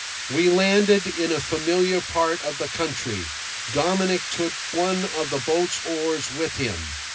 We landed in a familiar part of the country. Dominic took one of the boat's oars with him.